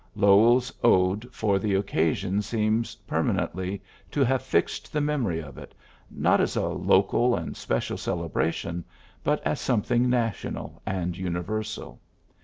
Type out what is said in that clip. Lowell's Ode for the occasion seems permanently to have fixed the memory of it, not as a local and special celebration, but as something national and universal.